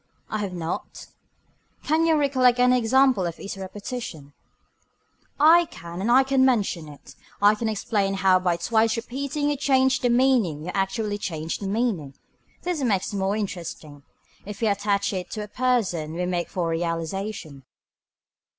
I have not. Can you recollect any example of easy repetition. I can and I can mention it. I can explain how by twice repeating you change the meaning you actually change the meaning. This makes it more interesting. If we attach it to a person we make for realization.